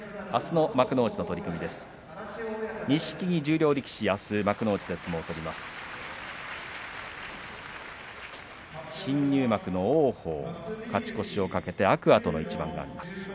あすの取組です。